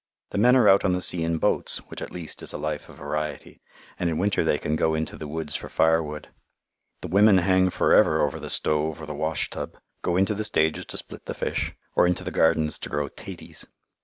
The men are out on the sea in boats, which at least is a life of variety, and in winter they can go into the woods for firewood. The women hang forever over the stove or the washtub, go into the stages to split the fish, or into the gardens to grow "'taties."